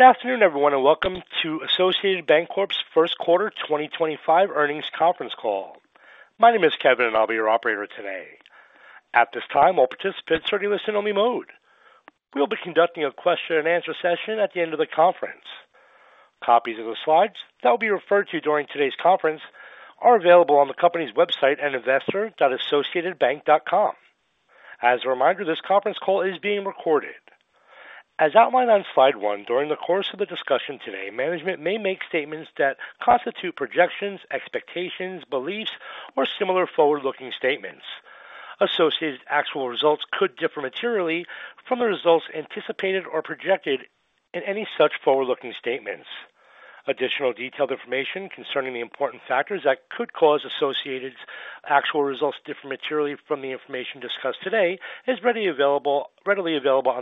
Good afternoon, everyone and welcome to Associated Banc-Corp's First Quarter 2025 Earnings Conference Call. My name is Kevin, and I'll be your operator today. At this time, all participants are in a listen-only mode. We'll be conducting a question-and-answer session at the end of the conference. Copies of the slides that will be referred to during today's conference are available on the company's website at investor.associatedbank.com. As a reminder, this conference call is being recorded. As outlined on slide one, during the course of the discussion today, management may make statements that constitute projections, expectations, beliefs, or similar forward-looking statements. Associated actual results could differ materially from the results anticipated or projected in any such forward-looking statements. Additional detailed information concerning the important factors that could cause Associated's actual results to differ materially from the information discussed today is readily available on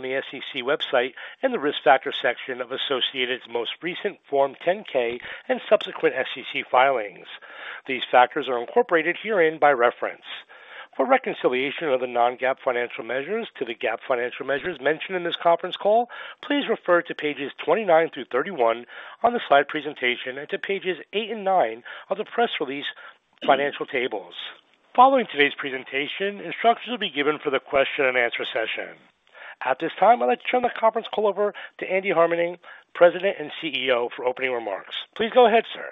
the SEC website, in the risk factor section of Associated's most recent Form 10-K and subsequent SEC filings. These factors are incorporated herein by reference. For reconciliation of the non-GAAP financial measures to the GAAP financial measures mentioned in this conference call, please refer to pages 29-31 on the slide presentation and to pages eight and nine of the press release financial tables. Following today's presentation, instructions will be given for the question-and-answer session. At this time, I'd like to turn the conference call over to Andy Harmening, President and CEO, for opening remarks. Please go ahead, sir.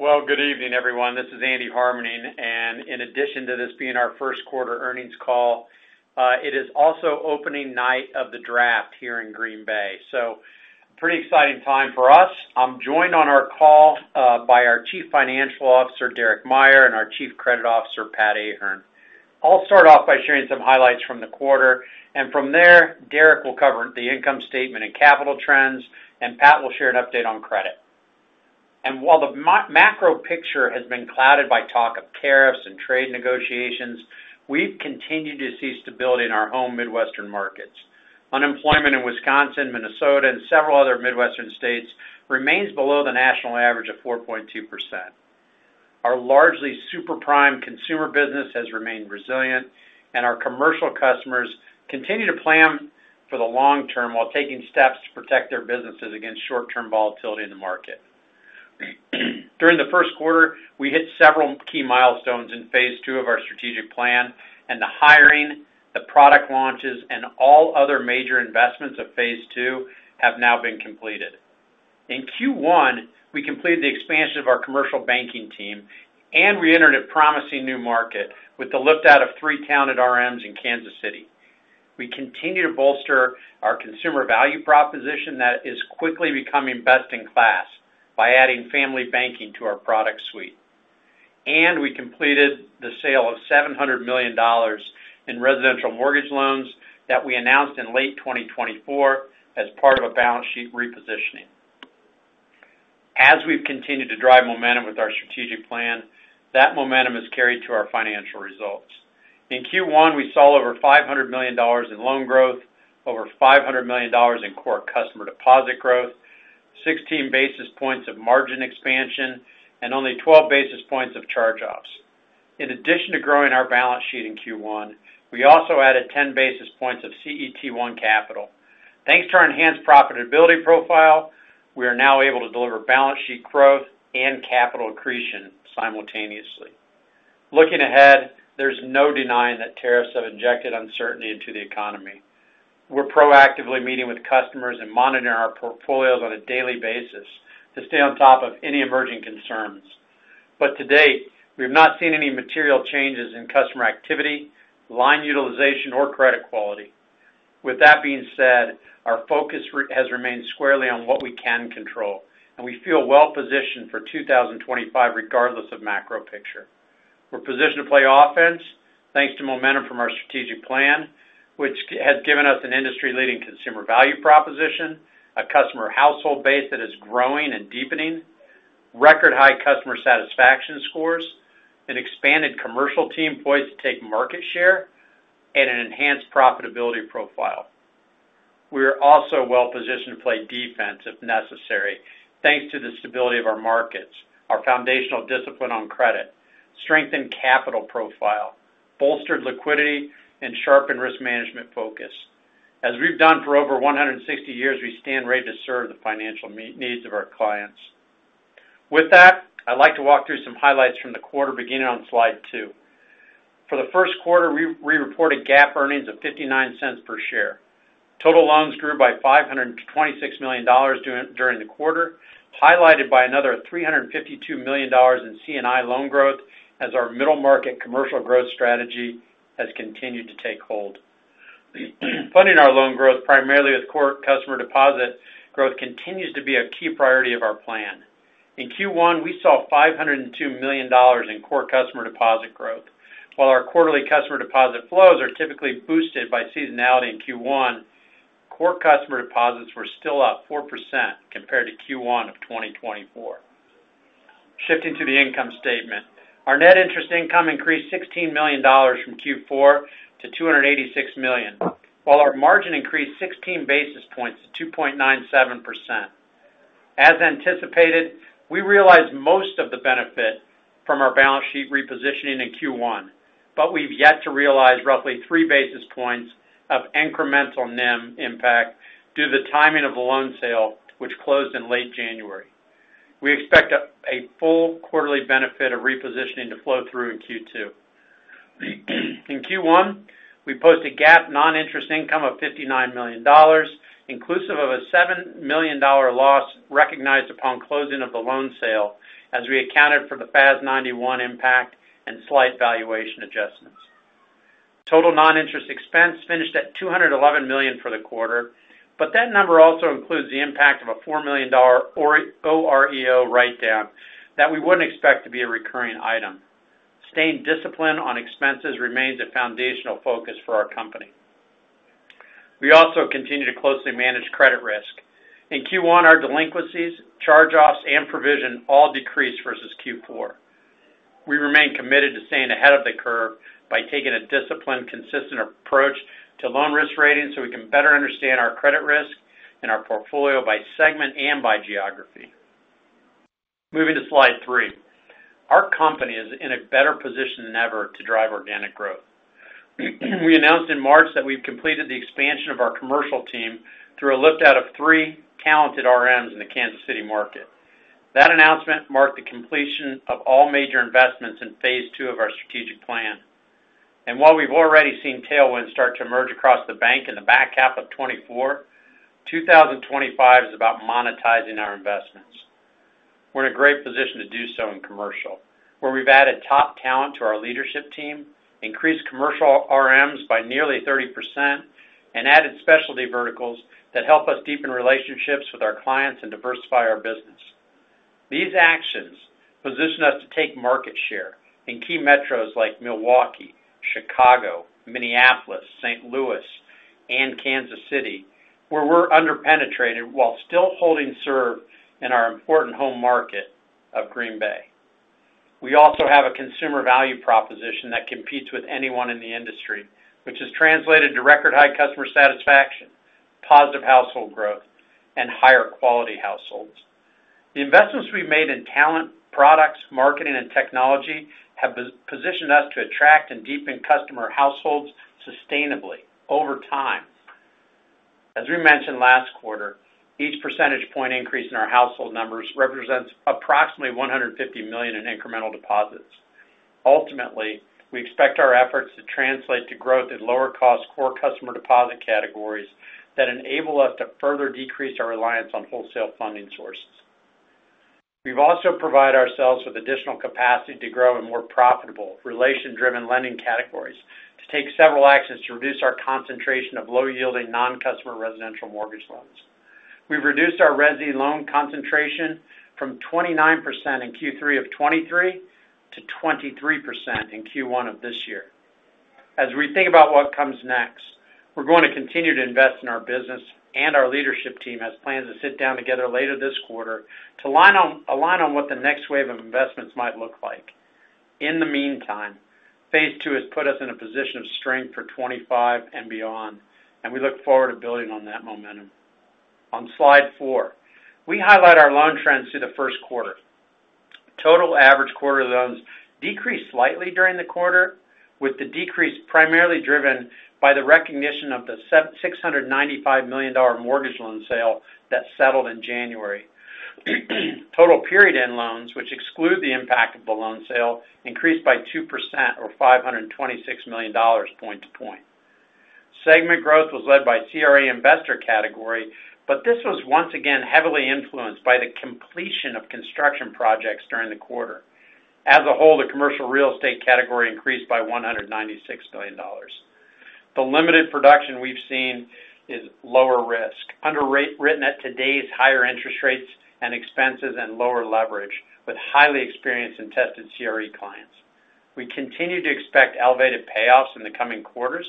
Good evening, everyone. This is Andy Harmening. In addition to this being our first quarter earnings call, it is also opening night of the draft here in Green Bay. Pretty exciting time for us. I am joined on our call by our Chief Financial Officer, Derek Meyer, and our Chief Credit Officer, Pat Ahern. I will start off by sharing some highlights from the quarter. From there, Derek will cover the income statement and capital trends, and Pat will share an update on credit. While the macro picture has been clouded by talk of tariffs and trade negotiations, we have continued to see stability in our home Midwestern markets. Unemployment in Wisconsin, Minnesota, and several other Midwestern states remains below the national average of 4.2%. Our largely super-prime consumer business has remained resilient, and our commercial customers continue to plan for the long term, while taking steps to protect their businesses against short-term volatility in the market. During the first quarter, we hit several key milestones in phase II of our strategic plan, and the hiring, the product launches, and all other major investments of phase II have now been completed. In Q1, we completed the expansion of our commercial banking team, and re-entered a promising new market with the lift out of three talented RMs in Kansas City. We continue to bolster our consumer value proposition that is quickly becoming best in class, by adding family banking to our product suite. We completed the sale of $700 million in residential mortgage loans, that we announced in late 2024 as part of a balance sheet repositioning. As we've continued to drive momentum with our strategic plan, that momentum has carried to our financial results. In Q1, we saw over $500 million in loan growth, over $500 million in core customer deposit growth, 16 basis points of margin expansion, and only 12 basis points of charge-offs. In addition to growing our balance sheet in Q1, we also added 10 basis points of CET1 capital. Thanks to our enhanced profitability profile, we are now able to deliver balance sheet growth and capital accretion simultaneously. Looking ahead, there is no denying that tariffs have injected uncertainty into the economy. We are proactively meeting with customers, and monitoring our portfolios on a daily basis to stay on top of any emerging concerns. To date, we have not seen any material changes in customer activity, line utilization or credit quality. With that being said, our focus has remained squarely on what we can control and we feel well-positioned for 2025 regardless of macro picture. We're positioned to play offense thanks to momentum from our strategic plan, which has given us an industry-leading consumer value proposition, a customer household base that is growing and deepening, record-high customer satisfaction scores, an expanded commercial team poised to take market share, and an enhanced profitability profile. We are also well-positioned to play defense if necessary, thanks to the stability of our markets, our foundational discipline on credit, strengthened capital profile, bolstered liquidity, and sharpened risk management focus. As we've done for over 160 years, we stand ready to serve the financial needs of our clients. With that, I'd like to walk through some highlights from the quarter beginning on slide two. For the first quarter, we reported GAAP earnings of $0.59 per share. Total loans grew by $526 million during the quarter, highlighted by another $352 million in C&I loan growth, as our middle market commercial growth strategy has continued to take hold. Funding our loan growth primarily with core customer deposit growth continues to be a key priority of our plan. In Q1, we saw $502 million in core customer deposit growth. While our quarterly customer deposit flows are typically boosted by seasonality in Q1, core customer deposits were still up 4% compared to Q1 of 2024. Shifting to the income statement, our net interest income increased $16 million from Q4 to $286 million, while our margin increased 16 basis points to 2.97%. As anticipated, we realized most of the benefit from our balance sheet repositioning in Q1, but we've yet to realize roughly three basis points of incremental NIM impact due to the timing of the loan sale which closed in late January. We expect a full quarterly benefit of repositioning to flow through in Q2. In Q1, we posted GAAP non-interest income of $59 million, inclusive of a $7 million loss recognized upon closing of the loan sale, as we accounted for the FAS 91 impact and slight valuation adjustments. Total non-interest expense finished at $211 million for the quarter, but that number also includes the impact of a $4 million OREO write-down, that we wouldn't expect to be a recurring item. Staying disciplined on expenses remains a foundational focus for our company. We also continue to closely manage credit risk. In Q1, our delinquencies, charge-offs, and provision all decreased versus Q4. We remain committed to staying ahead of the curve by taking a disciplined, consistent approach to loan risk rating, so we can better understand our credit risk and our portfolio by segment and by geography. Moving to slide three, our company is in a better position than ever to drive organic growth. We announced in March that we've completed the expansion of our commercial team, through a lift out of three talented RMs in the Kansas City market. That announcement marked the completion of all major investments in phase II of our strategic plan. While we've already seen tailwinds start to emerge across the bank in the back half of 2024, 2025 is about monetizing our investments. We're in a great position to do so in commercial, where we've added top talent to our leadership team, increased commercial RMs by nearly 30%, and added specialty verticals that help us deepen relationships with our clients and diversify our business. These actions position us to take market share in key metros like Milwaukee, Chicago, Minneapolis, St. Louis, and Kansas City, where we're underpenetrated, while still holding serve in our important home market of Green Bay. We also have a consumer value proposition that competes with anyone in the industry, which has translated to record-high customer satisfaction, positive household growth, and higher quality households. The investments we've made in talent, products, marketing, and technology have positioned us to attract and deepen customer households sustainably over time. As we mentioned last quarter, each percentage point increase in our household numbers represents approximately $150 million in incremental deposits. Ultimately, we expect our efforts to translate to growth in lower-cost core customer deposit categories, that enable us to further decrease our reliance on wholesale funding sources. We've also provided ourselves with additional capacity to grow in more profitable relation-driven lending categories, to take several actions to reduce our concentration of low-yielding non-customer residential mortgage loans. We've reduced our resi loan concentration from 29% in Q3 of 2023 to 23% in Q1 of this year. As we think about what comes next, we're going to continue to invest in our business and our leadership team has plans to sit down together later this quarter, to align on what the next wave of investments might look like. In the meantime, phase II has put us in a position of strength for 2025 and beyond, and we look forward to building on that momentum. On slide four, we highlight our loan trends through the first quarter. Total average quarter loans decreased slightly during the quarter, with the decrease primarily driven by the recognition of the $695 million mortgage loan sale that settled in January. Total period-end loans, which exclude the impact of the loan sale, increased by 2% or $526 million point-to-point. Segment growth was led by CRE investor category, but this was once again heavily influenced by the completion of construction projects during the quarter. As a whole, the commercial real estate category increased by $196 billion. The limited production we've seen is lower risk, underwritten at today's higher interest rates and expenses, and lower leverage with highly experienced and tested CRE clients. We continue to expect elevated payoffs in the coming quarters,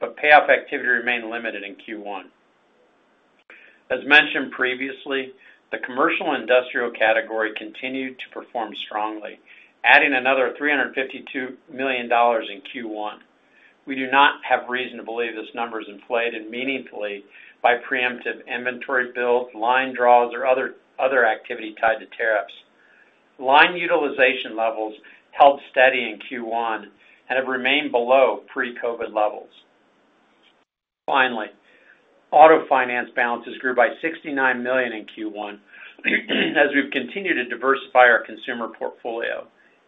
but payoff activity remained limited in Q1. As mentioned previously, the commercial industrial category continued to perform strongly, adding another $352 million in Q1. We do not have reason to believe this number is inflated meaningfully by pre-emptive inventory builds, line draws, or other activity tied to tariffs. Line utilization levels held steady in Q1, and have remained below pre-COVID levels. Finally, auto finance balances grew by $69 million in Q1, as we've continued to diversify our consumer portfolio.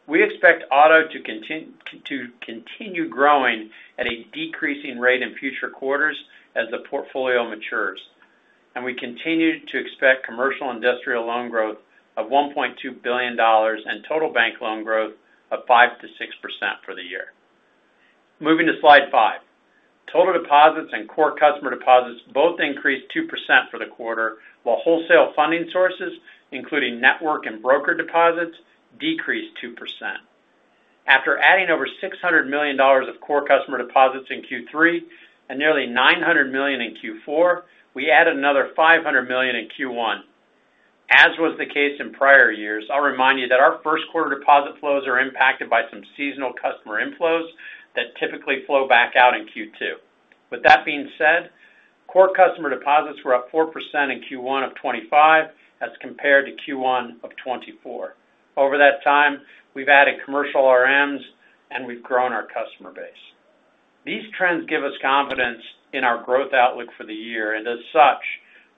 We expect auto to continue growing at a decreasing rate in future quarters as the portfolio matures. We continue to expect commercial industrial loan growth of $1.2 billion, and total bank loan growth of 5%-6% for the year. Moving to slide five, total deposits and core customer deposits both increased 2% for the quarter, while wholesale funding sources, including network and broker deposits, decreased 2%. After adding over $600 million of core customer deposits in Q3 and nearly $900 million in Q4, we added another $500 million in Q1. As was the case in prior years, I'll remind you that our first-quarter deposit flows are impacted by some seasonal customer inflows that typically flow back out in Q2. With that being said, core customer deposits were up 4% in Q1 of 2025 as compared to Q1 of 2024. Over that time, we've added commercial RMs, and we've grown our customer base. These trends give us confidence in our growth outlook for the year, and as such,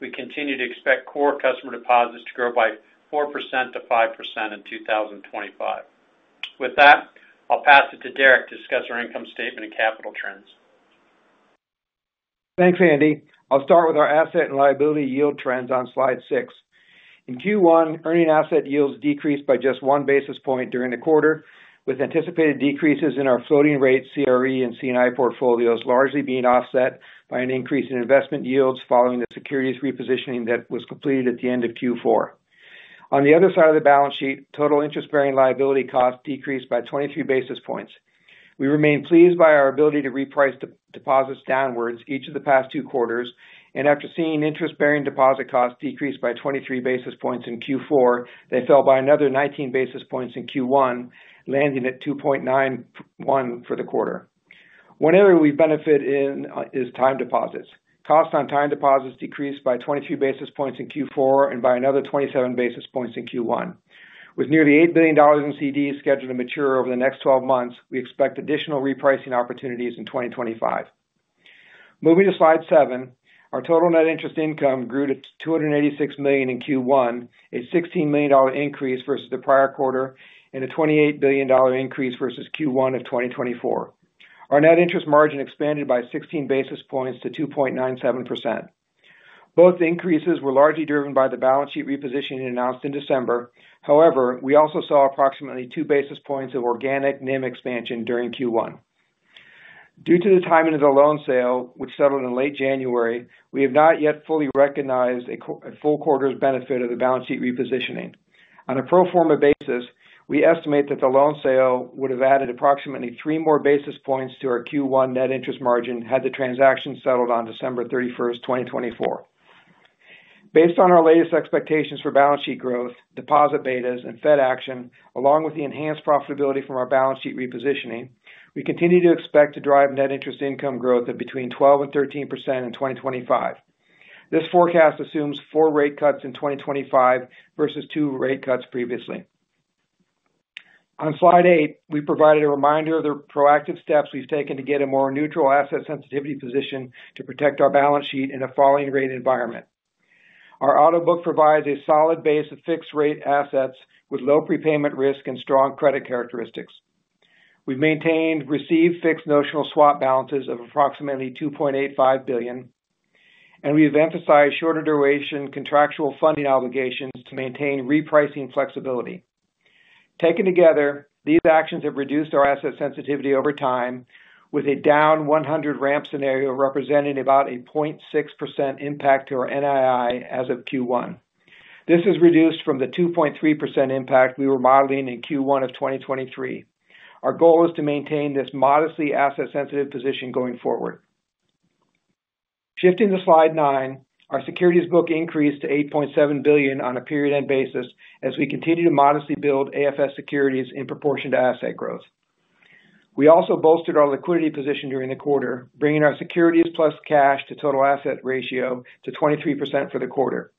we continue to expect core customer deposits to grow by 4%-5% in 2025. With that, I'll pass it to Derek to discuss our income statement and capital trends. Thanks, Andy. I'll start with our asset and liability yield trends on slide six. In Q1, earning asset yields decreased by just one basis point during the quarter, with anticipated decreases in our floating rate, CRE, and C&I portfolios largely being offset by an increase in investment yields following the securities repositioning that was completed at the end of Q4. On the other side of the balance sheet, total interest-bearing liability costs decreased by 23 basis points. We remain pleased by our ability to reprice deposits downwards each of the past two quarters. After seeing interest-bearing deposit costs decrease by 23 basis points in Q4, they fell by another 19 basis points in Q1, landing at 2.91% for the quarter. One area we benefit in is time deposits. Cost on time deposits decreased by 23 basis points in Q4, and by another 27 basis points in Q1. With nearly $8 billion in CDs scheduled to mature over the next 12 months, we expect additional repricing opportunities in 2025. Moving to slide seven, our total net interest income grew to $286 million in Q1, a $16 million increase versus the prior quarter, and a $28 billion increase versus Q1 of 2024. Our net interest margin expanded by 16 basis points to 2.97%. Both increases were largely driven by the balance sheet repositioning announced in December. However, we also saw approximately two basis points of organic NIM expansion during Q1. Due to the timing of the loan sale, which settled in late January, we have not yet fully recognized a full quarter's benefit of the balance sheet repositioning. On a pro forma basis, we estimate that the loan sale would have added approximately three more basis points to our Q1 net interest margin, had the transaction settled on December 31st, 2024. Based on our latest expectations for balance sheet growth, deposit betas, and Fed action, along with the enhanced profitability from our balance sheet repositioning, we continue to expect to drive net interest income growth of between 12% and 13% in 2025. This forecast assumes four rate cuts in 2025 versus two rate cuts previously. On slide eight, we provided a reminder of the proactive steps we have taken to get a more neutral asset sensitivity position, to protect our balance sheet in a falling rate environment. Our auto book provides a solid base of fixed-rate assets, with low prepayment risk and strong credit characteristics. We've maintained receive-fixed notional swap balances of approximately $2.85 billion, and we have emphasized shorter duration contractual funding obligations to maintain repricing flexibility. Taken together, these actions have reduced our asset sensitivity over time, with a down 100 ramp scenario representing about a 0.6% impact to our NII as of Q1. This is reduced from the 2.3% impact we were modeling in Q1 of 2023. Our goal is to maintain this modestly asset-sensitive position going forward. Shifting to slide nine, our securities book increased to $8.7 billion on a period-end basis, as we continue to modestly build AFS securities in proportion to asset growth. We also bolstered our liquidity position during the quarter, bringing our securities plus cash to total asset ratio to 23% for the quarter.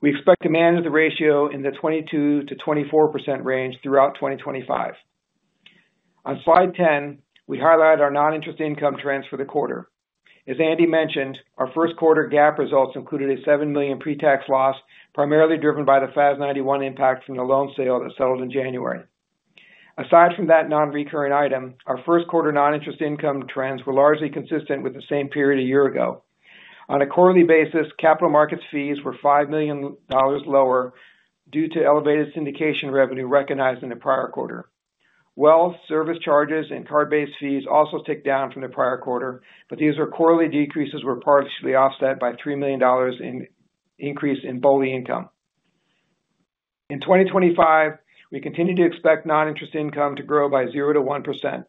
We expect to manage the ratio in the 22%-24% range throughout 2025. On slide 10, we highlight our non-interest income trends for the quarter. As Andy mentioned, our first quarter GAAP results included a $7 million pre-tax loss, primarily driven by the FAS 91 impact from the loan sale that settled in January. Aside from that non-recurring item, our first-quarter non-interest income trends were largely consistent with the same period a year ago. On a quarterly basis, capital markets fees were $5 million lower due to elevated syndication revenue recognized in the prior quarter. Wealth, service charges, and card-based fees also ticked down from the prior quarter, but these were quarterly decreases that were partially offset by $3 million increase in BOLI income. In 2025, we continue to expect non-interest income to grow by 0%-1%,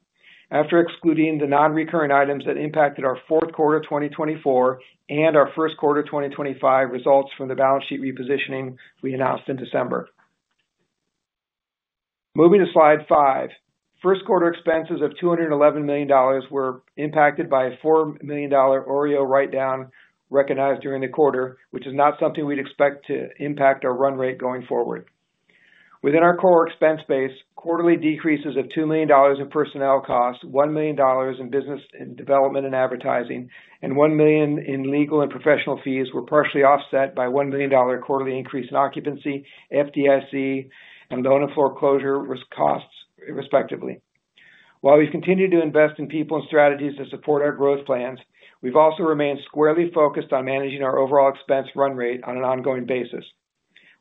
after excluding the non-recurring items that impacted our fourth quarter 2024, and our first quarter 2025 results from the balance sheet repositioning we announced in December. Moving to slide five, first quarter expenses of $211 million were impacted by a $4 million OREO write-down recognized during the quarter, which is not something we'd expect to impact our run rate going forward. Within our core expense base, quarterly decreases of $2 million in personnel costs, $1 million in business and development and advertising, and $1 million in legal and professional fees were partially offset by a $1 million quarterly increase in occupancy, FDIC, and loan and foreclosure risk costs, respectively. While we've continued to invest in people and strategies to support our growth plans, we've also remained squarely focused on managing our overall expense run rate on an ongoing basis.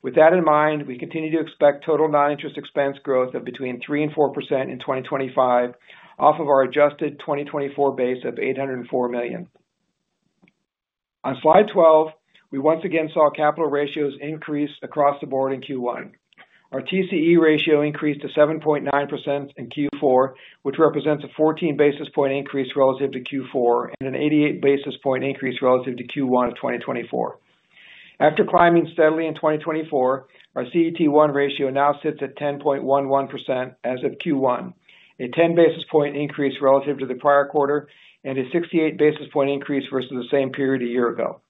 With that in mind, we continue to expect total non-interest expense growth of between 3% and 4% in 2025, off of our adjusted 2024 base of $804 million. On slide 12, we once again saw capital ratios increase across the board in Q1. Our TCE ratio increased to 7.9% in Q4, which represents a 14 basis point increase relative to Q4 and an 88 basis point increase relative to Q1 of 2024. After climbing steadily in 2024, our CET1 ratio now sits at 10.11% as of Q1, a 10 basis point increase relative to the prior quarter, and a 68 basis point increase versus the same period a year ago.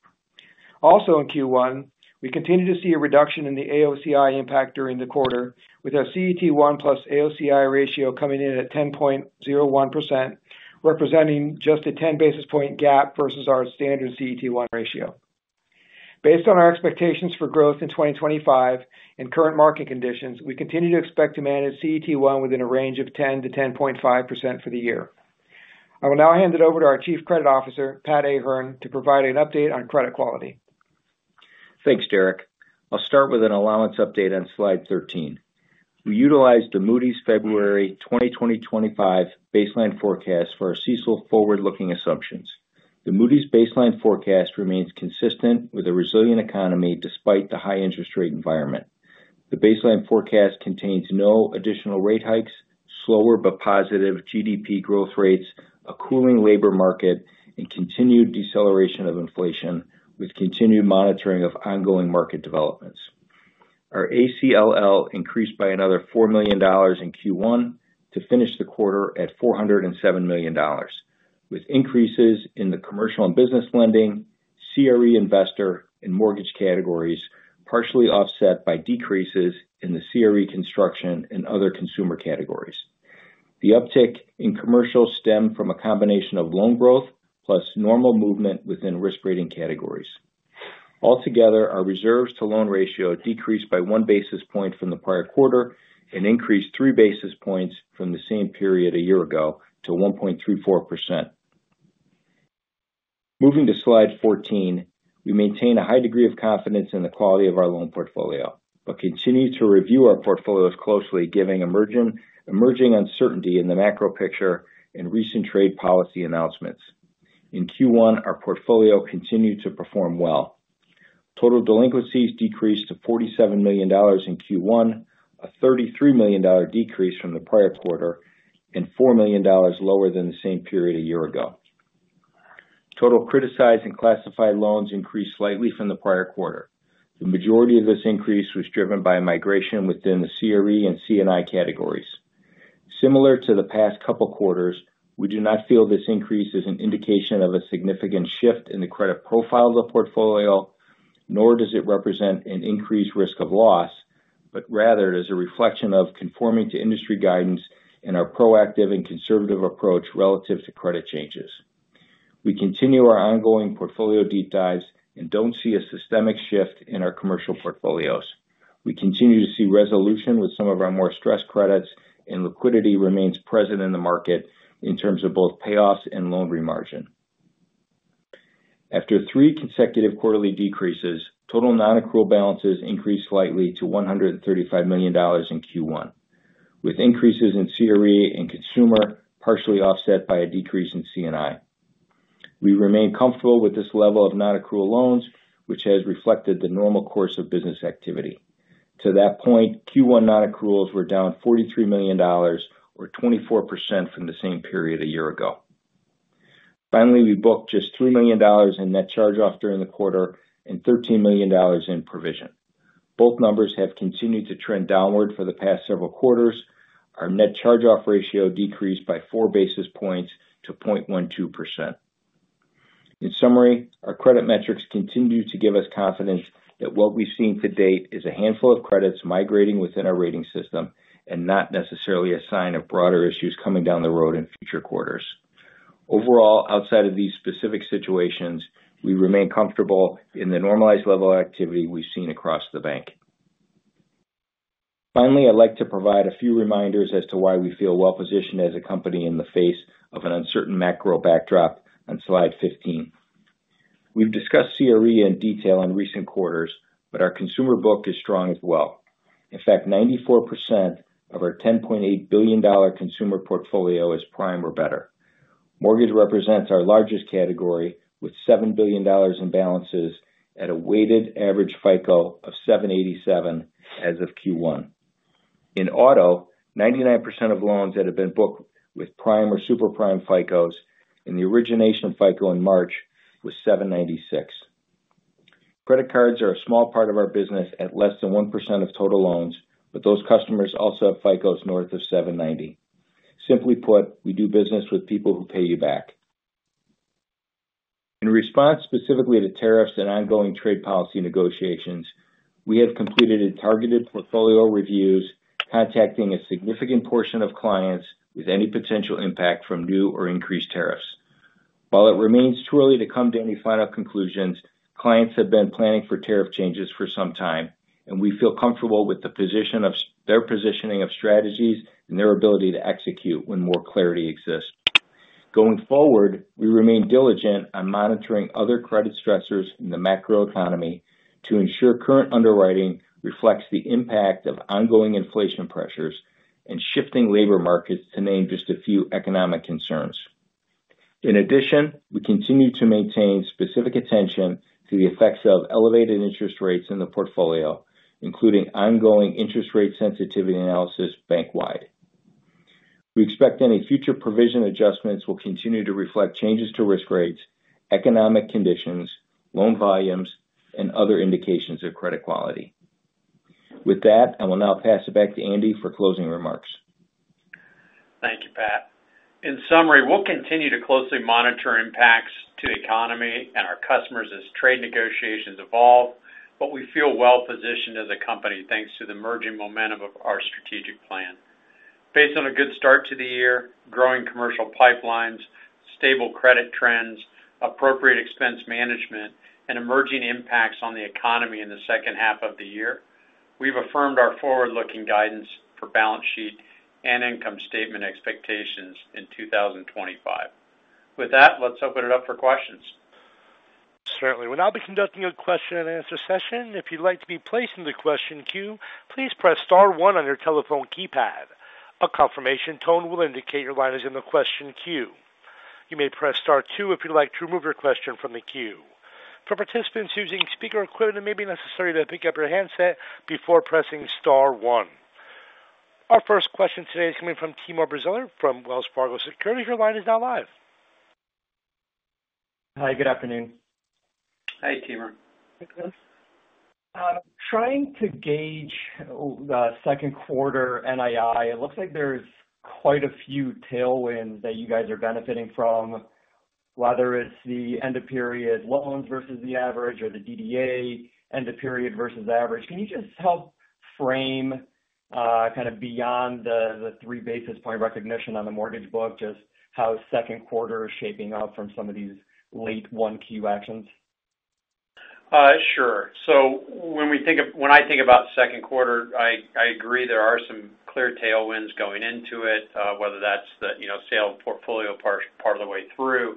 Also in Q1, we continue to see a reduction in the AOCI impact during the quarter, with our CET1 plus AOCI ratio coming in at 10.01%, representing just a 10 basis point gap versus our standard CET1 ratio. Based on our expectations for growth in 2025 and current market conditions, we continue to expect to manage CET1 within a range of 10%-10.5% for the year. I will now hand it over to our Chief Credit Officer, Pat Ahern, to provide an update on credit quality. Thanks, Derek. I'll start with an allowance update on slide 13. We utilized the Moody's February 2025 baseline forecast for our CECL forward-looking assumptions. The Moody's baseline forecast remains consistent with a resilient economy despite the high-interest-rate environment. The baseline forecast contains no additional rate hikes, slower but positive GDP growth rates, a cooling labor market, and continued deceleration of inflation with continued monitoring of ongoing market developments. Our ACL increased by another $4 million in Q1, to finish the quarter at $407 million, with increases in the commercial and business lending, CRE investor, and mortgage categories, partially offset by decreases in the CRE construction and other consumer categories. The uptick in commercial stemmed from a combination of loan growth plus normal movement within risk-rating categories. Altogether, our reserves-to-loan ratio decreased by one basis point from the prior quarter, and increased three basis points from the same period a year ago to 1.34%. Moving to slide 14, we maintain a high degree of confidence in the quality of our loan portfolio, but continue to review our portfolios closely, given emerging uncertainty in the macro picture and recent trade policy announcements. In Q1, our portfolio continued to perform well. Total delinquencies decreased to $47 million in Q1, a $33 million decrease from the prior quarter and $4 million lower than the same period a year ago. Total criticized and classified loans increased slightly from the prior quarter. The majority of this increase was driven by migration within the CRE and C&I categories. Similar to the past couple quarters, we do not feel this increase is an indication of a significant shift in the credit profile of the portfolio, nor does it represent an increased risk of loss, but rather it is a reflection of conforming to industry guidance and our proactive and conservative approach relative to credit changes. We continue our ongoing portfolio deep dives, and do not see a systemic shift in our commercial portfolios. We continue to see resolution with some of our more stressed credits, and liquidity remains present in the market in terms of both payoffs and loan re-margin. After three consecutive quarterly decreases, total non-accrual balances increased slightly to $135 million in Q1, with increases in CRE and consumer partially offset by a decrease in C&I. We remain comfortable with this level of non-accrual loans, which has reflected the normal course of business activity. To that point, Q1 non-accruals were down $43 million, or 24% from the same period a year ago. Finally, we booked just $3 million in net charge-off during the quarter and $13 million in provision. Both numbers have continued to trend downward for the past several quarters. Our net charge-off ratio decreased by four basis points to 0.12%. In summary, our credit metrics continue to give us confidence that what we've seen to date is a handful of credits migrating within our rating system, and not necessarily a sign of broader issues coming down the road in future quarters. Overall, outside of these specific situations, we remain comfortable in the normalized level of activity we've seen across the bank. Finally, I'd like to provide a few reminders as to why we feel well-positioned as a company in the face of an uncertain macro backdrop on slide 15. We've discussed CRE in detail in recent quarters, but our consumer book is strong as well. In fact, 94% of our $10.8 billion consumer portfolio is prime or better. Mortgage represents our largest category, with $7 billion in balances at a weighted average FICO of 787 as of Q1. In auto, 99% of loans that have been booked with prime or super prime FICOs and the origination FICO in March was 796. Credit cards are a small part of our business, at less than 1% of total loans, but those customers also have FICOs north of 790. Simply put, we do business with people who pay you back. In response specifically to tariffs and ongoing trade policy negotiations, we have completed targeted portfolio reviews, contacting a significant portion of clients with any potential impact from new or increased tariffs. While it remains too early to come to any final conclusions, clients have been planning for tariff changes for some time. We feel comfortable with their positioning of strategies, and their ability to execute when more clarity exists. Going forward, we remain diligent on monitoring other credit stressors in the macro economy, to ensure current underwriting reflects the impact of ongoing inflation pressures and shifting labor markets, to name just a few economic concerns. In addition, we continue to maintain specific attention to the effects of elevated interest rates in the portfolio, including ongoing interest rate sensitivity analysis bank-wide. We expect any future provision adjustments will continue to reflect changes to risk rates, economic conditions, loan volumes, and other indications of credit quality. With that, I will now pass it back to Andy for closing remarks. Thank you, Pat. In summary, we'll continue to closely monitor impacts to the economy and our customers as trade negotiations evolve, but we feel well-positioned as a company thanks to the emerging momentum of our strategic plan. Based on a good start to the year, growing commercial pipelines, stable credit trends, appropriate expense management, and emerging impacts on the economy in the second half of the year, we've affirmed our forward-looking guidance for balance sheet and income statement expectations in 2025. With that, let's open it up for questions. Certainly. We'll now be conducting a question-and-answer session. If you'd like to be placed in the question queue, please press star one on your telephone keypad. A confirmation tone will indicate your line is in the question queue. You may press star two if you'd like to remove your question from the queue. For participants using speaker equipment, it may be necessary to pick up your handset before pressing star one. Our first question today is coming from Timur Braziler from Wells Fargo Securities. Your line is now live. Hi, good afternoon. Hey, Timur. Hi guys. iTrying to gauge the second quarter NII, it looks like there's quite a few tailwinds that you guys are benefiting from, whether it's the end-of-period loans versus the average or the DDA, end-of-period versus average. Can you just help frame kind of beyond the three basis point recognition on the mortgage book, just how second quarter is shaping up from some of these late one Q actions? Sure. When I think about the second quarter, I agree there are some clear tailwinds going into it, whether that's the sale portfolio part of the way through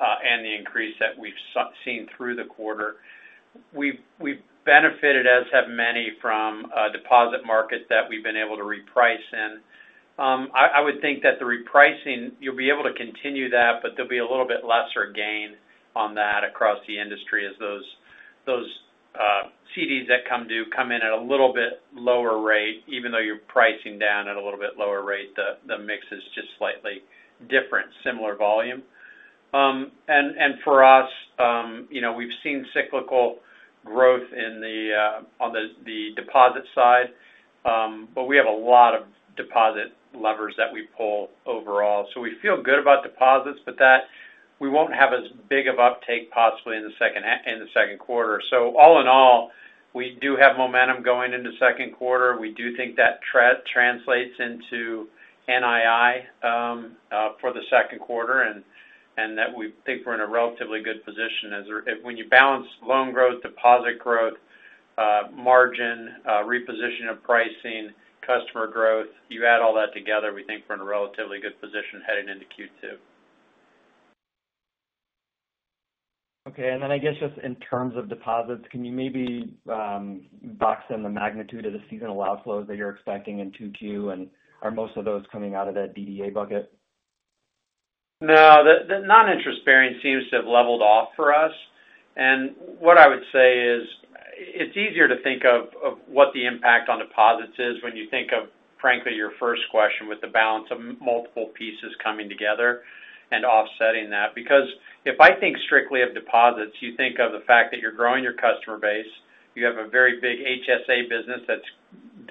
and the increase that we've seen through the quarter. We've benefited, as have many, from deposit markets that we've been able to reprice in. I would think that the repricing, you'll be able to continue that, but there'll be a little bit lesser gain on that across the industry as those CDs that come due come in at a little bit lower rate. Even though you're pricing down at a little bit lower rate, the mix is just slightly different, similar volume. For us, we've seen cyclical growth on the deposit side, but we have a lot of deposit levers that we pull overall. We feel good about deposits, but we won't have as big of uptake possibly in the second quarter. All in all, we do have momentum going into second quarter. We do think that translates into NII for the second quarter,, and that we think we're in a relatively good position. When you balance loan growth, deposit growth, margin, repositioning of pricing, customer growth, you add all that together, we think we're in a relatively good position heading into Q2. Okay. Just in terms of deposits, can you maybe box in the magnitude of the seasonal outflows that you're expecting in Q2, and are most of those coming out of that DDA bucket? No, the non-interest bearing seems to have leveled off for us. What I would say is, it's easier to think of what the impact on deposits is when you think of frankly your first question, with the balance of multiple pieces coming together and offsetting that. If I think strictly of deposits, you think of the fact that you're growing your customer base. You have a very big HSA business that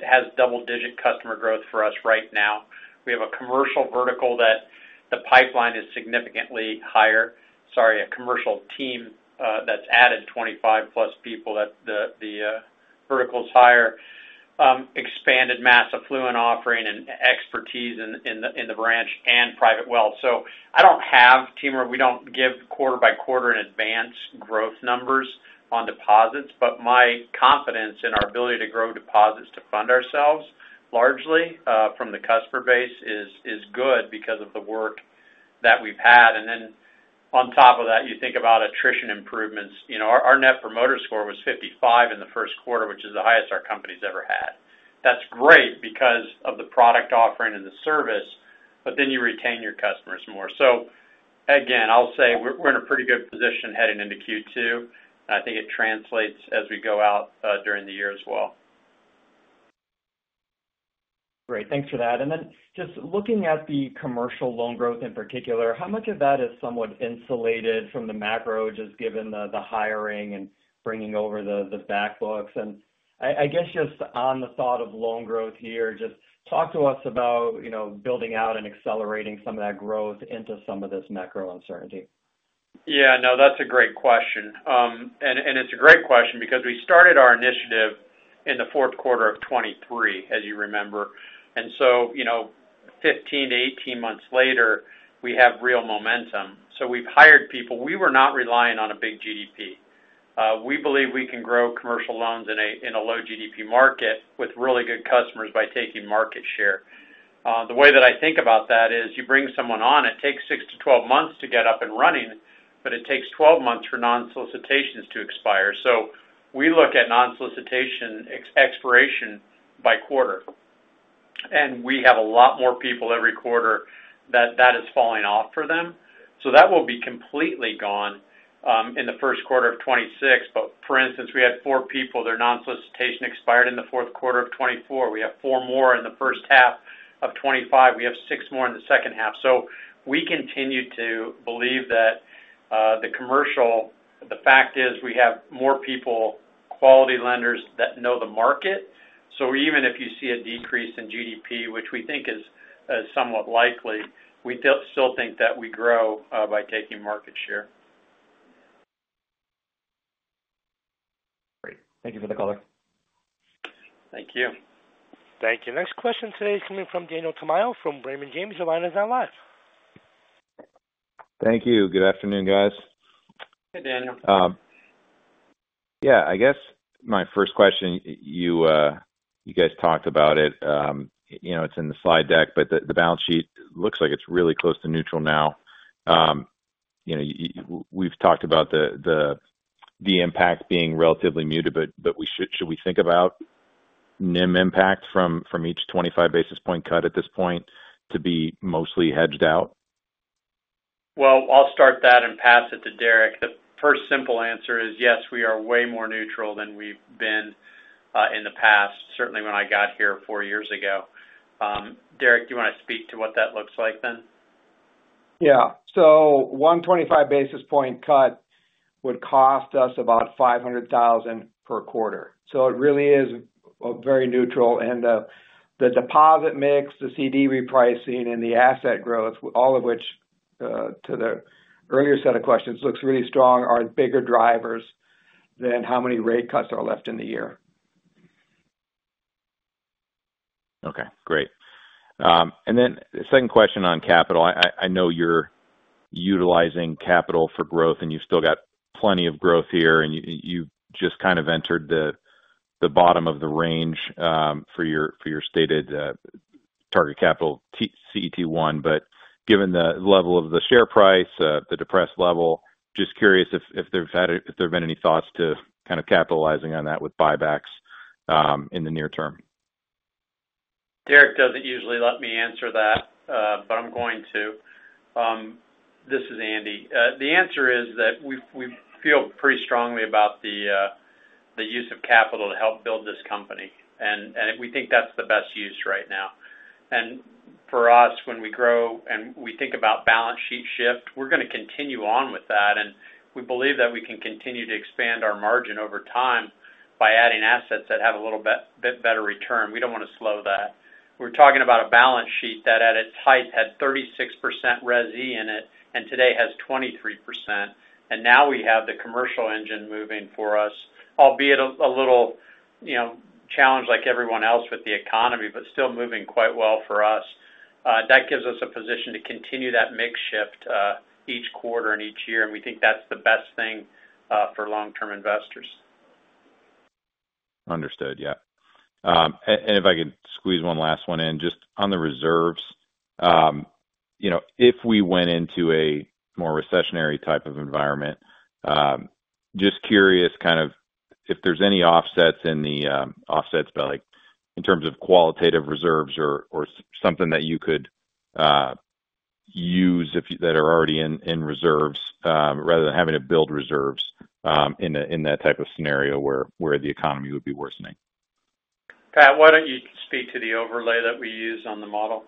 has double-digit customer growth for us right now. We have a commercial vertical that the pipeline is significantly higher. Sorry, a commercial team that's added 25+ people, that the vertical's higher, expanded mass affluent offering and expertise in the branch and private wealth. Timur, we don't give quarter-by-quarter and advance growth numbers on deposits, but my confidence in our ability to grow deposits to fund ourselves largely from the customer base is good, because of the work that we've had. On top of that, you think about attrition improvements. Our net promoter score was 55 in the first quarter, which is the highest our company's ever had. That's great because of the product offering and the service, but you retain your customers more. Again, I will say we're in a pretty good position heading into Q2, and I think it translates as we go out during the year as well. Great. Thanks for that. Just looking at the commercial loan growth in particular, how much of that is somewhat insulated from the macro, just given the hiring and bringing over the back books? Just on the thought of loan growth here, talk to us about building out and accelerating some of that growth into some of this macro uncertainty. Yeah. No, that's a great question. It's a great question because we started our initiative in the fourth quarter of 2023, as you remember. Fifteen to 18 months later, we have real momentum. We've hired people. We were not relying on a big GDP. We believe we can grow commercial loans in a low-GDP market, with really good customers by taking market share. The way that I think about that is, you bring someone on, it takes six to 12 months to get up and running, but it takes 12 months for non-solicitations to expire. We look at non-solicitation expiration by quarter. We have a lot more people every quarter that is falling off for them. That will be completely gone in the first quarter of 2026. For instance, we had four people, their non-solicitation expired in the fourth quarter of 2024. We have four more in the first half of 2025. We have six more in the second half. We continue to believe that the commercial, that the fact is, we have more people, quality lenders that know the market. Even if you see a decrease in GDP, which we think is somewhat likely, we still think that we grow by taking market share. Great. Thank you for the color. Thank you. Thank you. Next question today is coming from Daniel Tamayo from Raymond James. Your line is now live. Thank you. Good afternoon, guys. Hey, Daniel. Yeah. My first question, you guys talked about it. It's in the slide deck, but the balance sheet looks like it's really close to neutral now. We've talked about the impact being relatively muted, but should we think about NIM impact from each 25 basis point cut at this point to be mostly hedged out? I will start that and pass it to Derek. The first simple answer is, yes, we are way more neutral than we've been in the past, certainly when I got here four years ago. Derek, do you want to speak to what that looks like then? Yeah. One 25 basis point cut would cost us about $500,000 per quarter. It really is very neutral. The deposit mix, the CD repricing, and the asset growth, all of which, to the earlier set of questions, looks really strong, are bigger drivers than how many rate cuts are left in the year. Okay, great. The second question on capital, I know you're utilizing capital for growth and you've still got plenty of growth here, and you've just kind of entered the bottom of the range for your stated target capital, CET1. Given the level of the share price, the depressed level, just curious if there have been any thoughts to capitalizing on that with buybacks in the near term. Derek does not usually let me answer that, but I'm going to. This is Andy. The answer is that we feel pretty strongly about the use of capital to help build this company. We think that's the best use right now. For us, when we grow and we think about balance sheet shift, we're going to continue on with that. We believe that we can continue to expand our margin over time, by adding assets that have a little bit better return. We do not want to slow that. We're talking about a balance sheet that at its height had 36% resi in it and today has 23%. Now we have the commercial engine moving for us, albeit a little challenge like everyone else with the economy, but still moving quite well for us. That gives us a position to continue that mix shift each quarter and each year. We think that's the best thing for long-term investors. Understood, yeah. If I could squeeze one last one in, just on the reserves, if we went into a more recessionary type of environment, just curious kind of if there's any offsets in terms of qualitative reserves, or something that you could use that are already in reserves rather than having to build reserves in that type of scenario where the economy would be worsening. Pat, why don't you speak to the overlay that we use on the model?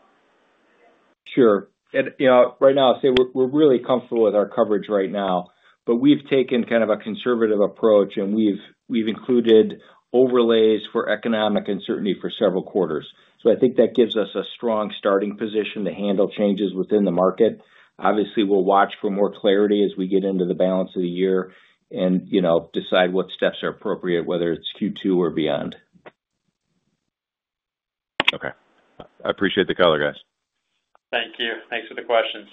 Sure. I'll say we're really comfortable with our coverage right now, but we've taken a conservative approach and we've included overlays for economic uncertainty for several quarters. I think that gives us a strong starting position to handle changes within the market. Obviously, we'll watch for more clarity as we get into the balance of the year and decide what steps are appropriate, whether it's Q2 or beyond. Okay. I appreciate the color, guys. Thank you. Thanks for the questions.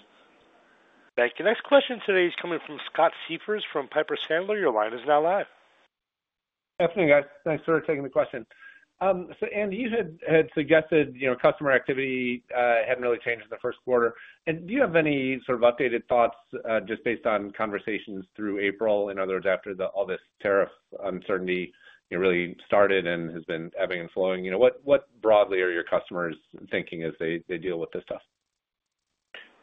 Thank you. The next question today is coming from Scott Siefers from Piper Sandler. Your line is now live. Good afternoon, guys. Thanks for taking the question. Andy, you had suggested customer activity hadn't really changed in the first quarter. Do you have any updated thoughts, just based on conversations through April and others after all this tariff uncertainty really started and has been ebbing and flowing? What broadly are your customers thinking as they deal with this stuff?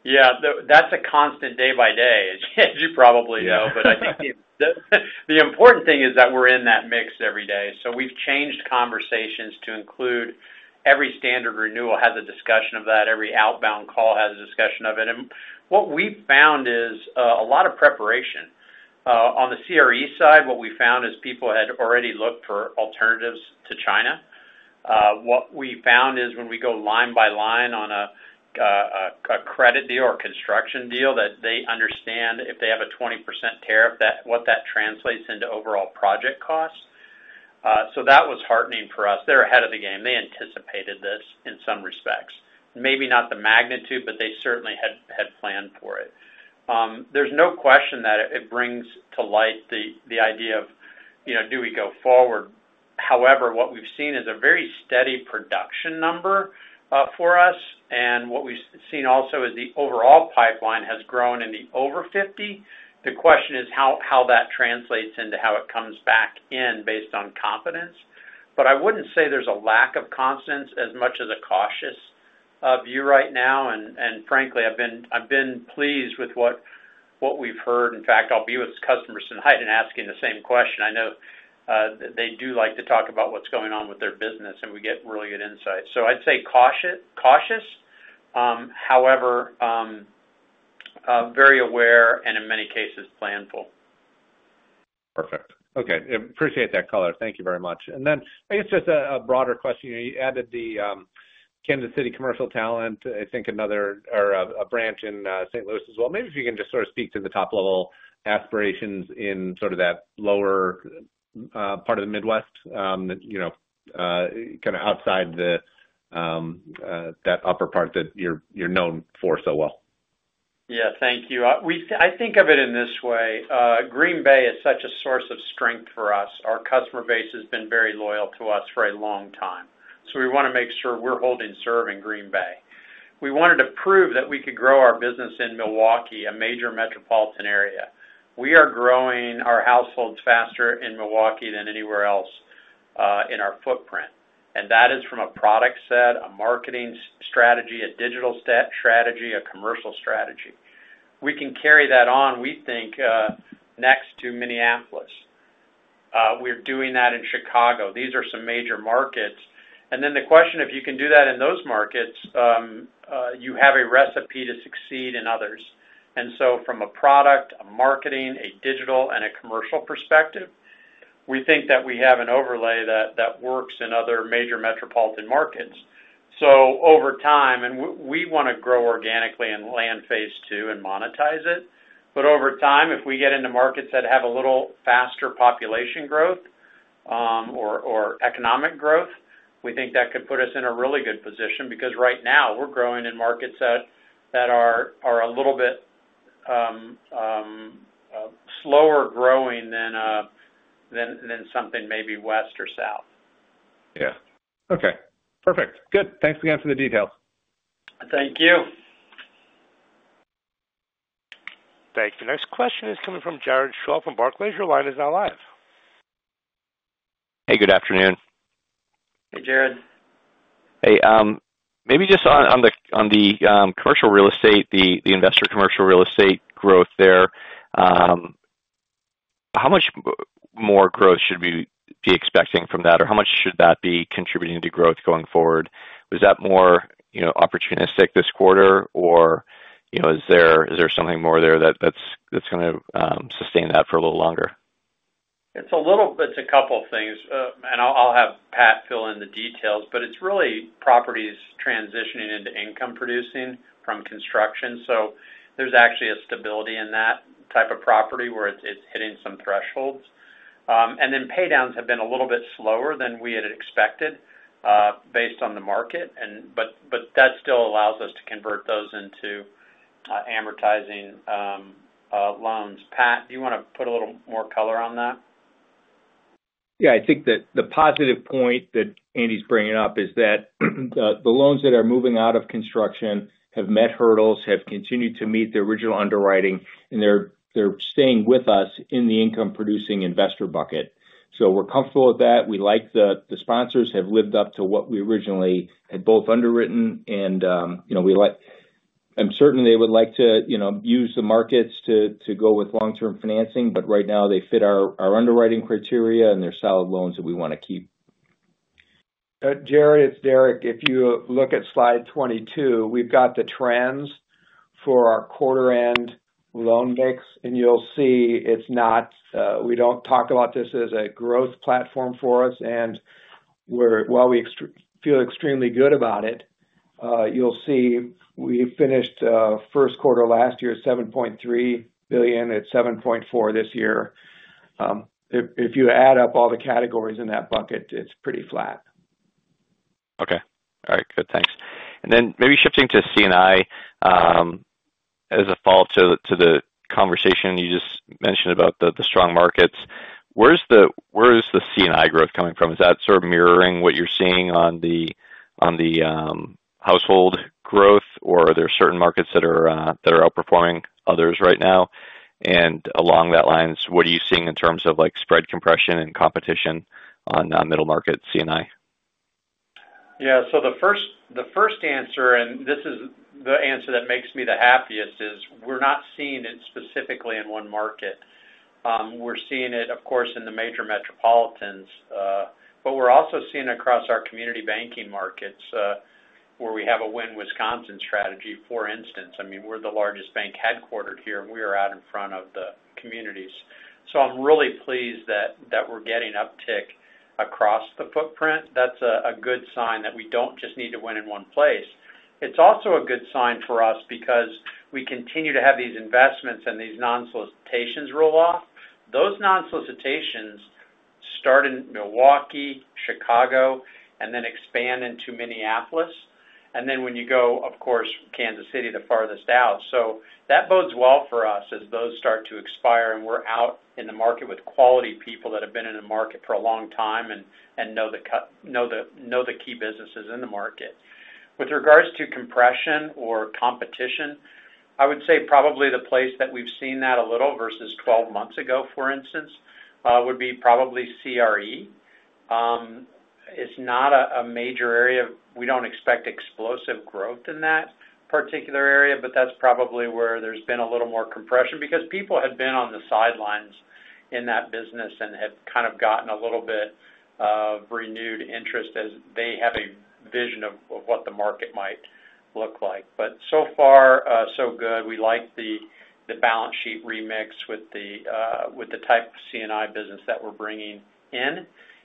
Yeah. That's a constant day by day, as you probably know. I think the important thing is that we're in that mix every day. We have changed conversations to include, every standard renewal has a discussion of that. Every outbound call has a discussion of it. What we found is a lot of preparation. On the CRE side, what we found is people had already looked for alternatives to China. What we found is when we go line by line on a credit deal or construction deal, that they understand if they have a 20% tariff, what that translates into overall project costs. That was heartening for us. They are ahead of the game. They anticipated this in some respects. Maybe not the magnitude, but they certainly had planned for it. There is no question that it brings to light the idea of, do we go forward. However, what we have seen is a very steady production number for us. What we have seen also is the overall pipeline has grown in the over 50. The question is how that translates into how it comes back in based on confidence. I would not say there is a lack of confidence as much as a cautious view right now. Frankly, I have been pleased with what we have heard. In fact, I will be with customers tonight and asking the same question. I know they do like to talk about what is going on with their business, and we get really good insights. I would say cautious, however, very aware and in many cases, planful. Perfect, okay. I appreciate that color. Thank you very much. Just a broader question. You added the Kansas City commercial talent, I think a branch in St. Louis as well. Maybe if you can just speak to the top-level aspirations in sort of that lower part of the Midwest, outside that upper part that you're known for so well. Yeah. Thank you. I think of it in this way, Green Bay is such a source of strength for us. Our customer base has been very loyal to us for a long time. We want to make sure we're holding, serving Green Bay. We wanted to prove that we could grow our business in Milwaukee, a major metropolitan area. We are growing our households faster in Milwaukee than anywhere else in our footprint. That is from a product set, a marketing strategy, a digital strategy, a commercial strategy. We can carry that on, we think next to Minneapolis. We're doing that in Chicago. These are some major markets. The question of, if you can do that in those markets, you have a recipe to succeed in others. From a product, a marketing, a digital, and a commercial perspective, we think that we have an overlay that works in other major metropolitan markets. Over time, we want to grow organically, and land phase II and monetize it. Over time, if we get into markets that have a little faster population growth or economic growth, we think that could put us in a really good position because right now, we're growing in markets that are a little bit slower growing than something maybe west or south. Yeah, okay. Perfect, good. Thanks again for the details. Thank you. Thank you. Next question is coming from Jared Shaw from Barclays. Your line is now live. Hey, good afternoon. Hey, Jared. Hey. Maybe just on the commercial real estate, the investor commercial real estate growth there, how much more growth should we be expecting from that or how much should that be contributing to growth going forward? Was that more opportunistic this quarter, or is there something more there that's going to sustain that for a little longer? It's a couple of things. I'll have Pat fill in the details, but it's really properties transitioning into income-producing from construction. There's actually a stability in that type of property, where it's hitting some thresholds. Paydowns have been a little bit slower than we had expected based on the market. That still allows us to convert those into amortizing loans. Pat, do you want to put a little more color on that? Yeah. I think that the positive point that Andy's bringing up is that the loans that are moving out of construction have met hurdles, have continued to meet the original underwriting, and they're staying with us in the income-producing investor bucket, so we're comfortable with that. The sponsors have lived up to what we originally had both underwritten. I'm certain they would like to use the markets to go with long-term financing, but right now they fit our underwriting criteria and they're solid loans that we want to keep. Jared, it's Derek. If you look at slide 22, we've got the trends for our quarter-end loan mix, and you'll see we don't talk about this as a growth platform for us. While we feel extremely good about it, you'll see we finished first quarter last year at $7.3 billion and at $7.4 billion this year. If you add up all the categories in that bucket, it's pretty flat. Okay, all right. Good, thanks. Maybe shifting to C&I, as a follow-up to the conversation, you just mentioned about the strong markets, where is the C&I growth coming from? Is that mirroring what you're seeing on the household growth, or are there certain markets that are outperforming others right now? Along that lines, what are you seeing in terms of spread compression and competition on middle market C&I? Yeah. The first answer, and this is the answer that makes me the happiest, is we're not seeing it specifically in one market. We're seeing it of course in the major metropolitans. We're also seeing it across our community banking markets, where we have a win Wisconsin strategy, for instance. We're the largest bank headquartered here, and we are out in front of the communities. I'm really pleased that we're getting uptick across the footprint. That's a good sign that we don't just need to win in one place. It's also a good sign for us, because we continue to have these investments and these non-solicitations roll off. Those non-solicitations start in Milwaukee, Chicago, and then expand into Minneapolis. When you go of course, Kansas City, the farthest out, that bodes well for us as those start to expire, and we're out in the market with quality people that have been in the market for a long time and know the key businesses in the market. With regards to compression or competition, I would say probably the place that we've seen that a little versus 12 months ago, for instance, would be probably CRE. It's not a major area. We don't expect explosive growth in that particular area, but that's probably where there's been a little more compression, because people had been on the sidelines in that business and had gotten a little bit of renewed interest as they have a vision of what the market might look like. So far, so good. We like the balance sheet remix with the type of C&I business that we're bringing in.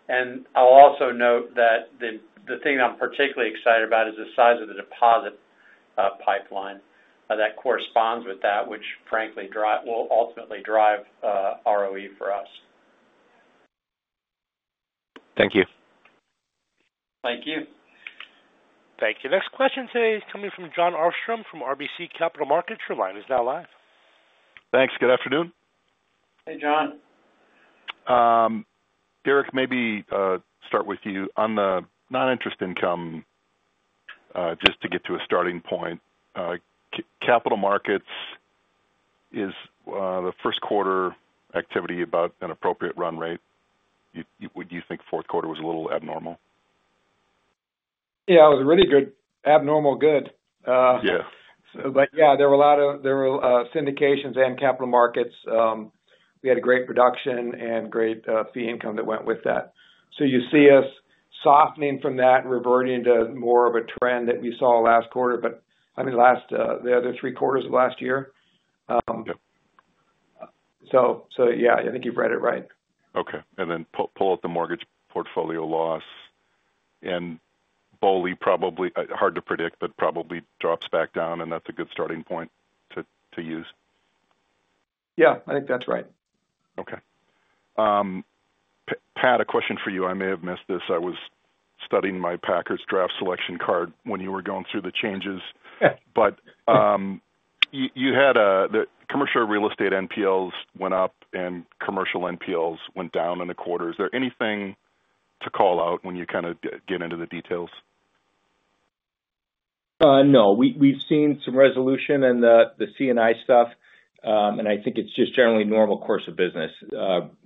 I'll also note that, the thing that I'm particularly excited about is the size of the deposit pipeline that corresponds with that, which frankly will ultimately drive ROE for us. Thank you. Thank you. Thank you. Next question today is coming from Jon Arfstrom from RBC Capital Markets. Your line is now live. Thanks. Good afternoon. Hey, John. Derek, maybe to start with you, on the non-interest income, just to get to a starting point, capital markets is the first quarter activity about an appropriate run rate. Would you think fourth quarter was a little abnormal? Yeah. It was a really good, abnormal good. Yeah, there were a lot of syndications and capital markets. We had a great production, and great fee income that went with that. You see us softening from that, reverting to more of a trend that we saw the other three quarters of last year. Yeah, I think you've read it right. Okay, and then pull out the mortgage portfolio loss. BOLI, probably hard to predict, but probably drops back down, and that's a good starting point to use. Yeah, I think that's right. Okay. Pat, a question for you. I may have missed this. I was studying my Packers draft selection card when you were going through the changes, but the commercial real estate NPLs went up and commercial NPLs went down in the quarter. Is there anything to call out when you kind of get into the details? No. We've seen some resolution in the C&I stuff, and I think it's just generally normal course of business.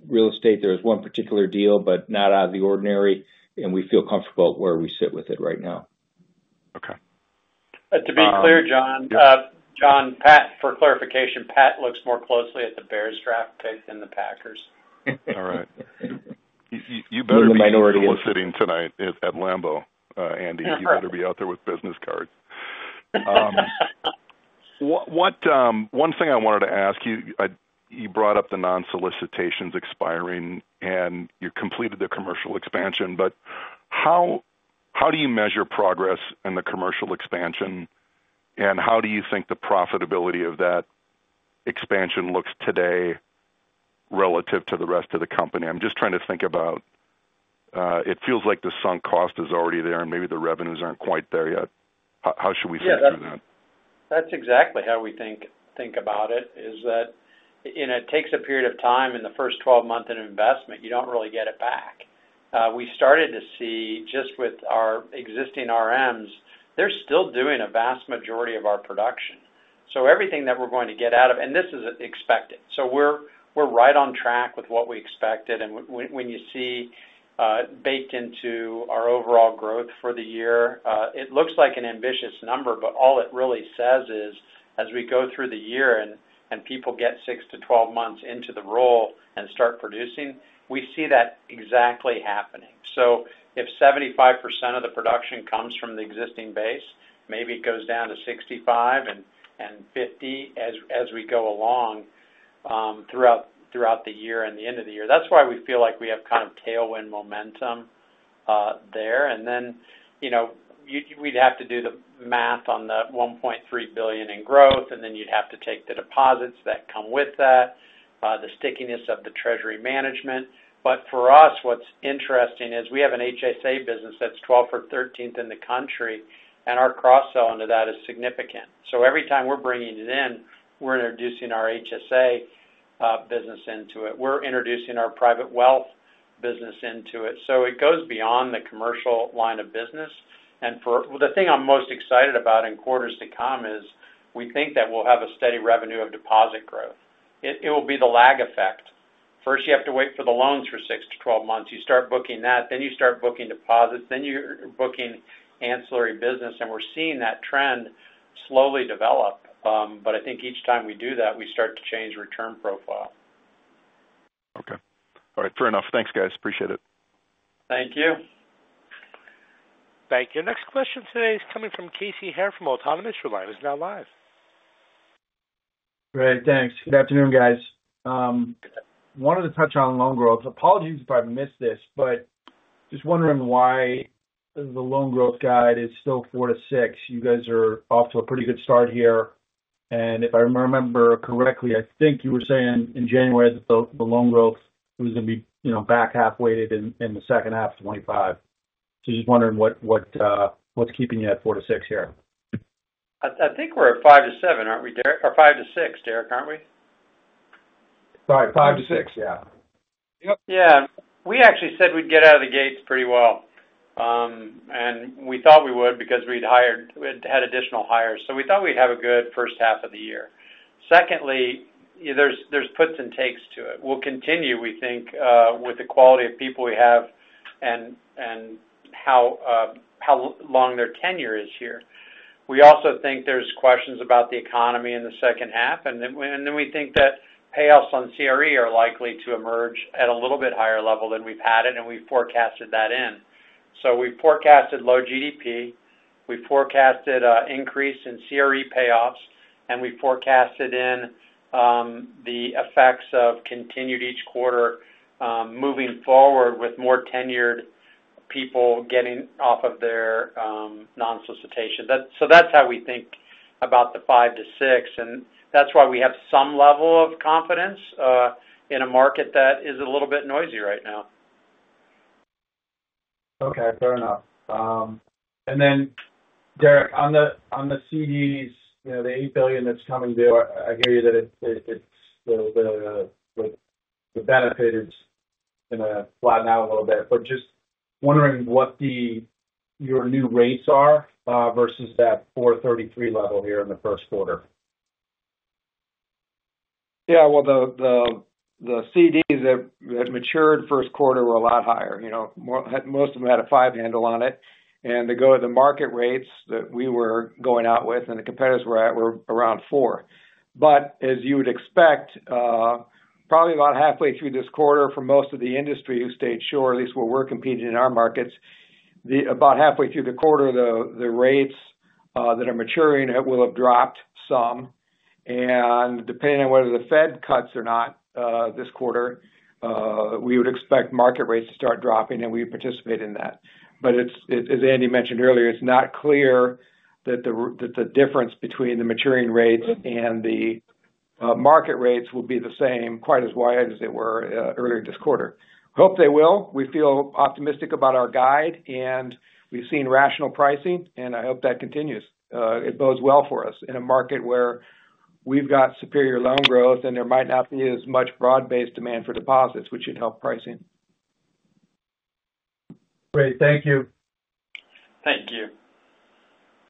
Real estate, there was one particular deal, but not out of the ordinary and we feel comfortable where we sit with it right now. Okay. To be clear, Jon, for clarification, Pat looks more closely at the Bears draft pick than the Packers. All right. You better be sitting tonight at Lambeau, Andy. You better be out there with business cards. One thing I wanted to ask you, you brought up the non-solicitations expiring and you completed the commercial expansion. How do you measure progress in the commercial expansion, and how do you think the profitability of that expansion looks today relative to the rest of the company? I'm just trying to think about, it feels like the sunk cost is already there and maybe the revenues aren't quite there yet. How should we think about it? Yeah. That's exactly how we think about it, is that it takes a period of time in the first 12 months of investment. You don't really get it back. We started to see, just with our existing RMs, they're still doing a vast majority of our production. This is expected, we are right on track with what we expected. When you see, baked into our overall growth for the year, it looks like an ambitious number, but all it really says is, as we go through the year and people get six to 12 months into the role and start producing, we see that exactly happening. If 75% of the production comes from the existing base, maybe it goes down to 65% and 50% as we go along throughout the year and the end of the year, that is why we feel like we have kind of tailwind momentum there. You would have to do the math on the $1.3 billion in growth, and then you would have to take the deposits that come with that, the stickiness of the treasury management. For us, what's interesting is, we have an HSA business that is 12th or 13th in the country and our cross-sell into that is significant. Every time we are bringing it in, we are introducing our HSA business into it. We are introducing our private wealth business into it. It goes beyond the commercial line of business. The thing I am most excited about in quarters to come is, we think that we will have a steady revenue of deposit growth. It will be the lag effect. First, you have to wait for the loans for six to 12 months. You start booking that, then you start booking deposits, then you are booking ancillary business. We are seeing that trend slowly develop. I think each time we do that, we start to change return profile. Okay. All right, fair enough. Thanks, guys. I appreciate it. Thank you. Thank you. Next question today is coming from Casey Haire from Autonomous. Your line is now live. Great, thanks. Good afternoon, guys. Wanted to touch on loan growth. Apologies if I missed this, but just wondering why the loan growth guide is still four to six. You guys are off to a pretty good start here. If I remember correctly, I think you were saying in January that the loan growth was going to be back-half-weighted in the second half of 2025. Just wondering what's keeping you at four to six here. I think we're at five to seven, aren't we, Derek? Or five to six, Derek, aren't we? Right. five to six, yeah. Yeah. We actually said we'd get out of the gates pretty well. We thought we would because we had had additional hires, so we thought we'd have a good first half of the year. Secondly, there's puts and takes to it. We'll continue, we think, with the quality of people we have and how long their tenure is here. We also think there's questions about the economy in the second half. We think that payoffs on CRE are likely to emerge at a little bit higher level than we've had it, and we've forecasted that in. We forecasted low GDP. We forecasted an increase in CRE payoffs, and we forecasted in the effects of continued each quarter, moving forward with more tenured people getting off of their non-solicitation. That's how we think about the five to six. That's why we have some level of confidence in a market that is a little bit noisy right now. Okay, fair enough. Derek, on the CDs, the $8 billion that's coming through, I hear you that the benefit is going to flatten out a little bit. Just wondering what your new rates are versus that 4.33 level here in the first quarter. Yeah. The CDs that matured first quarter were a lot higher. Most of them had a five-handle on it. To go to the market rates that we were going out with and the competitors we are around four. As you would expect, probably about halfway through this quarter for most of the industry who stayed short, at least where we are competing in our markets, about halfway through the quarter, the rates that are maturing will have dropped some. Depending on whether the Fed cuts or not this quarter, we would expect market rates to start dropping, and we would participate in that. As Andy mentioned earlier, it's not clear that the difference between the maturing rates and the market rates will be the same, quite as wide as they were earlier this quarter. Hope they will. We feel optimistic about our guide, and we've seen rational pricing, and I hope that continues. It bodes well for us in a market where we've got superior loan growth, and there might not be as much broad-based demand for deposits, which should help pricing. Great, thank you. Thank you.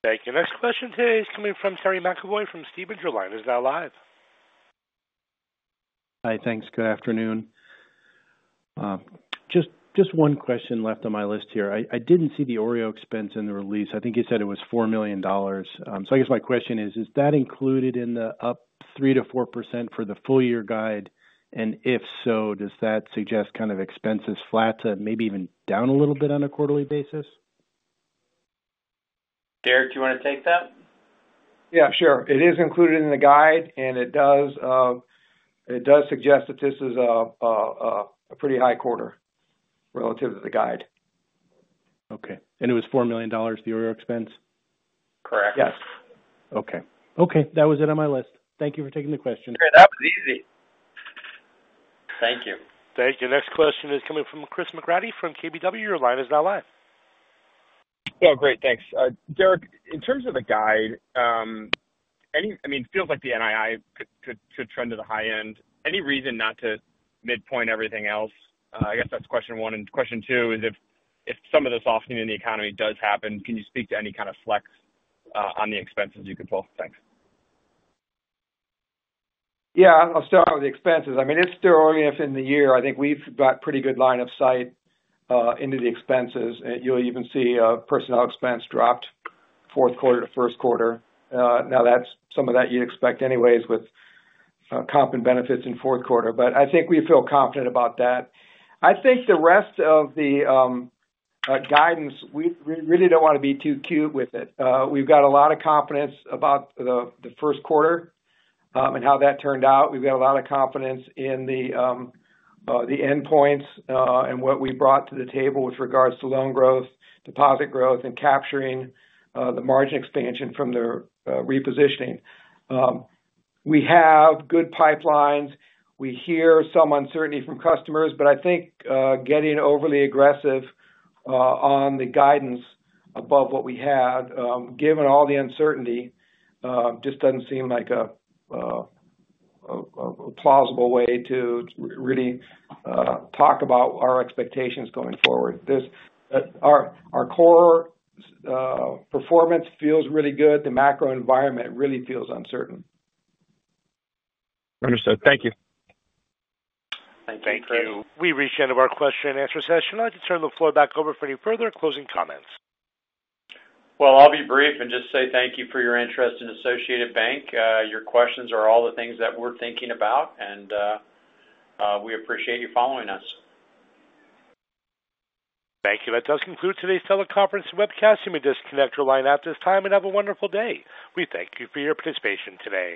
Thank you. Next question today is coming from Terry McEvoy from Stephens. Your line is now live. Hi. Thanks. Good afternoon. Just one question left on my list here. I didn't see the OREO expense in the release. I think you said it was $4 million. My question is, is that included in the up 3%-4% for the full-year guide? If so, does that suggest expense is flat to maybe even down a little bit on a quarterly basis? Derek, do you want to take that? Yeah, sure. It is included in the guide, and it does suggest that this is a pretty high quarter relative to the guide. Okay, and it was $4 million, the OREO expense? Correct. Yes. Okay. That was it on my list. Thank you for taking the question. Okay. That was easy. Thank you. Thank you. Next question is coming from Chris McGratty from KBW. Your line is now live. Oh, great. Thanks. Derek, in terms of the guide, it feels like the NII could trend to the high end. Any reason not to midpoint everything else? That's question one. Question two is, if some of this softening in the economy does happen, can you speak to any kind of flex on the expenses you could pull? Thanks. Yeah. I'll start with the expenses. It's still early enough in the year. I think we've got pretty good line of sight into the expenses. You'll even see personnel expense dropped fourth quarter to first quarter. Now, that's some of that you'd expect anyways with comp and benefits in fourth quarter. I think we feel confident about that. I think the rest of the guidance, we really don't want to be too cute with it. We've got a lot of confidence about the first quarter and how that turned out. We've got a lot of confidence in the endpoints and what we brought to the table with regards to loan growth, deposit growth, and capturing the margin expansion from the repositioning. We have good pipelines. We hear some uncertainty from customers, but I think getting overly aggressive on the guidance above what we had, given all the uncertainty, just does not seem like a plausible way to really talk about our expectations going forward. Our core performance feels really good. The macro environment really feels uncertain. Understood. Thank you. Thank you. Thank you. We've reached the end of our question-and-answer session. I would like to turn the floor back over for any further closing comments. I will be brief and just say thank you for your interest in Associated Bank. Your questions are all the things that we are thinking about, and we appreciate you following us. Thank you. That does conclude today's teleconference and webcast. You may disconnect or line out at this time, and have a wonderful day. We thank you for your participation today.